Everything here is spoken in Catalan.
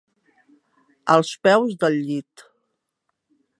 Als peus del llit.